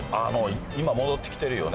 今戻ってきてるよね